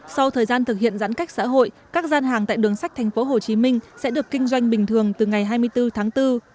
sau thời gian thực hiện giãn cách xã hội các gian hàng tại đường sách tp hcm sẽ được kinh doanh bình thường từ ngày hai mươi bốn tháng bốn